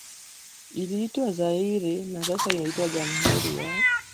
iliitwa Zaire na sasa inaitwa Jamhuri ya